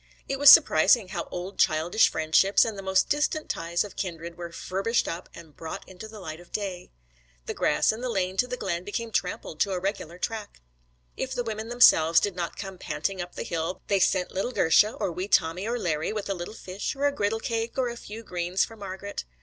It was surprising how old childish friendships and the most distant ties of kindred were furbished up and brought into the light of day. The grass in the lane to the glen became trampled to a regular track. If the women themselves did not come panting up the hill they sent the little girsha, or wee Tommy or Larry, with a little fish, or a griddle cake, or a few fresh greens for Margret.